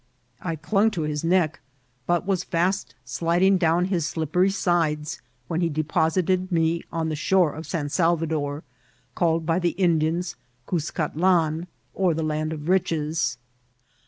I dung to his neck. 830 1NCI0IMT8 or TRATIL. but was fast sUding down his slippery sides, when he deposited me on the shore of San Salvador, called by the Indians <^ Coscatlan/' or the land of riches.